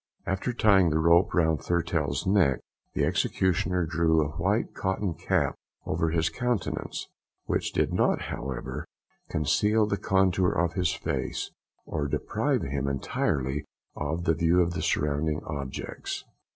After tying the rope round Thurtell's neck, the executioner drew a white cotton cap over his countenance, which did not, however, conceal the contour of his face, or deprive him entirely of the view of surrounding objects.